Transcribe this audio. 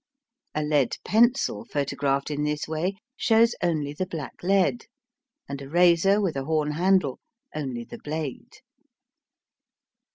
A lead pencil photographed in this way shows only the black lead, and a razor with a horn handle only the blade.